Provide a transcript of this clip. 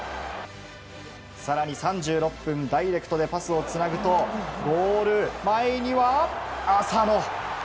更に３６分ダイレクトでパスをつなぐとゴール前には浅野。